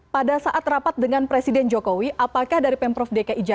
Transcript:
pada saat rapat dengan pemprov dki jakarta apakah ini akan menjadi kepentingan